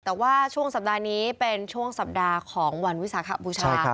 แต่ว่าช่วงสัปดาห์นี้เป็นช่วงสัปดาห์ของวันวิสาขบูชา